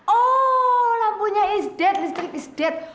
oh lampunya is dead listrik is dead